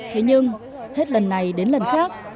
thế nhưng hết lần này đến lần khác